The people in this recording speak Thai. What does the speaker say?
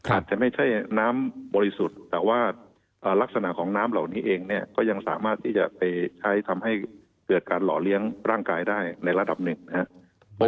อาจจะไม่ใช่น้ำบริสุทธิ์แต่ว่าลักษณะของน้ำเหล่านี้เองเนี่ยก็ยังสามารถที่จะไปใช้ทำให้เกิดการหล่อเลี้ยงร่างกายได้ในระดับหนึ่งนะครับ